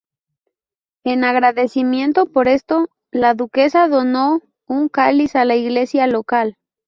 En agradecimiento por esto, la duquesa donó un cáliz a la iglesia local.